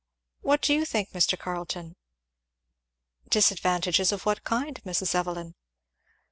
What do you think, Mr. Carleton?" "Disadvantages of what kind, Mrs. Evelyn?"